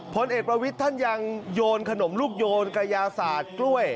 พลเอกประวิทย์ท่านยังโยนขนมลูกโยนกระยาศาสตร์กล้วย